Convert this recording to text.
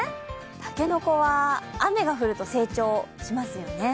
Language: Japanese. たけのこは雨が降ると成長しますよね。